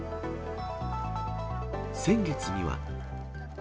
先月には。